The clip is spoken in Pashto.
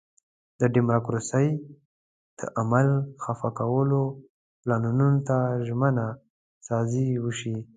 د ډیموکراسۍ د عمل خفه کولو پلانونو ته زمینه سازي وشي.